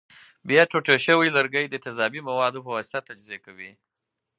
بیا ټوټې شوي لرګي د تیزابي موادو په واسطه تجزیه کوي.